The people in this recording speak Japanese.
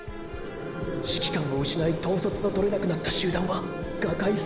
指揮官を失い統率のとれなくなった集団は瓦解するしかない。